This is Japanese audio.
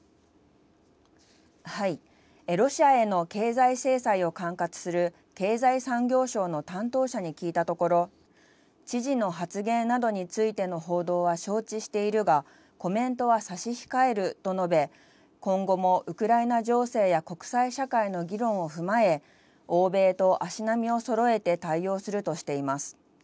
ロシアへの経済制裁を管轄する経済産業省の担当者に聞いたところ知事の発言などについての報道は承知しているがコメントは差し控えると述べ今後もウクライナ情勢や国際社会の議論を踏まえ欧米と足並みをそろえて対応するとしています。